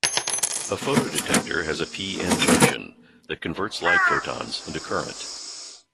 A photo detector has a p-n junction that converts light photons into current.